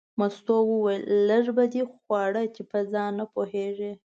مستو وویل لږه به دې خوړه چې په ځان نه پوهېږې.